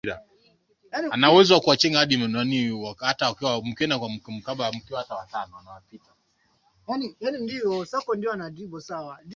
katika semina ya fursa kama mzungumzaji Maisha yangu ya shule nilikuwa